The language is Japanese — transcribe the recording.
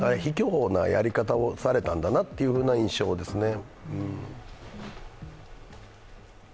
卑怯なやり方をされたんだなというのが印象ですね。